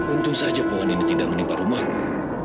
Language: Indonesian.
untung saja pohon ini tidak menimpa rumahmu